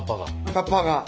カッパが。